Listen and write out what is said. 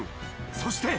そして